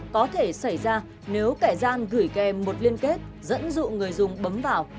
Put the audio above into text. có thể xảy ra nếu kẻ gian gửi kèm một liên kết dẫn dụ người dùng bấm vào